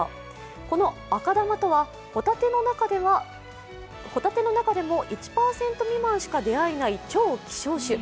この赤玉とはホタテの中でも１％未満しか出会えない超希少種。